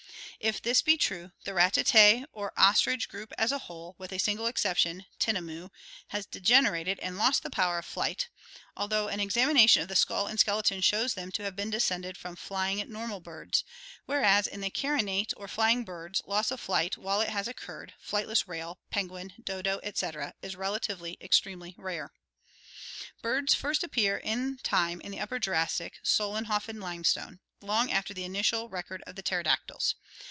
If this be true, the ratite or ostrich VOLANT ADAPTATION group as a whole, with a single exception (tinamou),has degenerated and lost the power of flight, although an examination of the skull and skeleton shows them to have been descended from flying nor mal birds; whereas in the carinate or flying birds loss of flight, while it has occurred (flightless rail, penguin, dodo, etc.), is rel atively extremely rare. Birds first appear in time in the Upper Jurassic (Solenhofen limestone) long after the initial record of the pterodactyls.